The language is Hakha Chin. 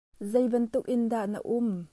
Zei bantuk inn ah dah na um?